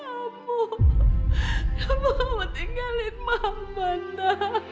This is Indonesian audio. aku mau tinggalin mama nda